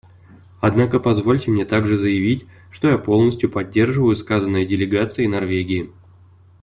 Однако позвольте мне также заявить, что я полностью поддерживаю сказанное делегацией Норвегии.